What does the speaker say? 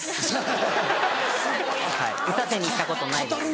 打たせに行ったことないです。